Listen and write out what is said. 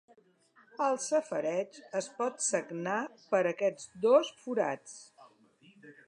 El safareig es pot sagnar per aquests dos forats.